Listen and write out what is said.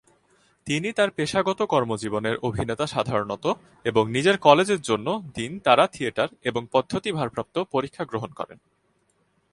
তিনি তার পেশাগত কর্মজীবন এর অভিনেতা সাধারণত এবং নিজের কলেজের জন্য দিন তারা থিয়েটার এবং পদ্ধতি ভারপ্রাপ্ত পরীক্ষা গ্রহণ করেন।